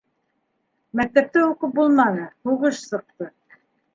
Мәктәптә уҡып булманы - һуғыш сыҡты.